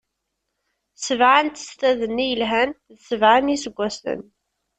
Sebɛa n testad-nni yelhan, d sebɛa n iseggasen;